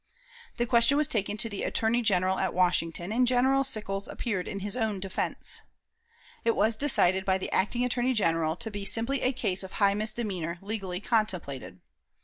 The question was taken to the Attorney General at Washington, and General Sickles appeared in his own defense. It was decided by the acting Attorney General to be "simply a case of a high misdemeanor, legally contemplated."